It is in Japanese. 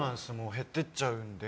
減ってっちゃうんで。